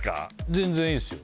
全然いいですよ